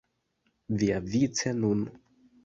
Viavice, nun!